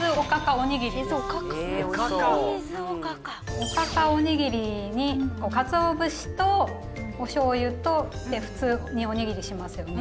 おかかおにぎりにかつお節とおしょうゆと普通におにぎりしますよね。